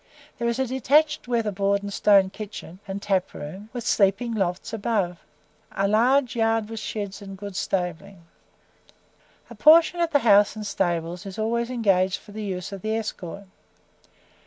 There is a detached weather board, and stone kitchen, and tap room, with sleeping lofts above, a large yard with sheds and good stabling. A portion of the house and stables is always engaged for the use of the escort.